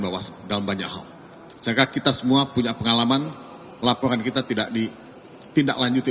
bahwas dalam banyak hal sehingga kita semua punya pengalaman laporan kita tidak di tidak lanjutin